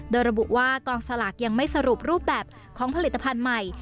โดยระบุว่ากองสลากยังไม่สรุปรูปแบบของผลิตภัณฑ์ใหม่